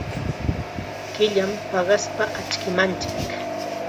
Killam paqaspa achkimanchik.